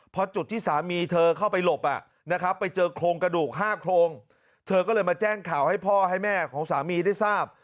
พอจุดที่สามีเธอเข้าไปหลบนะครับไปเจอโครงกระดูก๕โครงเธอก็เลยมาแจ้งข่าวให้พ่อให้แม่ของสามีได้ทราบ